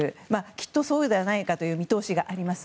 きっとそうではないかという見通しがあります。